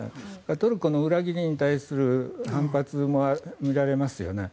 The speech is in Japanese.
トルコの裏切りに対する反発も見られますよね。